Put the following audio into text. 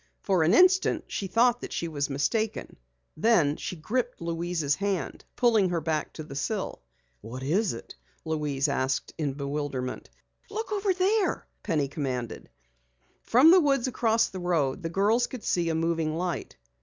For an instant she thought that she was mistaken. Then she gripped Louise's hand, pulling her back to the sill. "What is it?" Louise asked in bewilderment. "Look over there!" Penny commanded. From the woods across the road the girls could see a moving light.